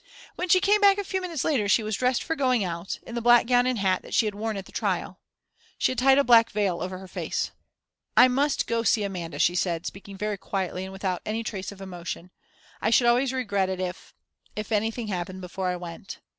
When she came back a few minutes later, she was dressed for going out, in the black gown and hat that she had worn at the trial. She had tied a black veil over her face. "I must go to see Amanda," she said, speaking very quietly and without any trace of emotion. "I should always regret it if if anything happened before I went."